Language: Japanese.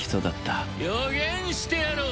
予言してやろう。